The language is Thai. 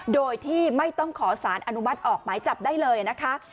โดยที่ไม่ต้องขอสารอนุมัติออกหมายจับได้เลยนะคะ